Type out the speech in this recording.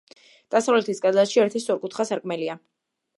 დასავლეთის კედელში ერთი სწორკუთხა სარკმელია.